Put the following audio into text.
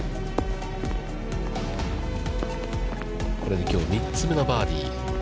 これできょう３つ目のバーディー。